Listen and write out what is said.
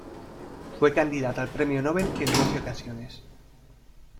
Fue candidato al premio Nobel en doce ocasiones.